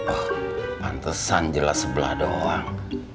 oh pantesan jelas sebelah doang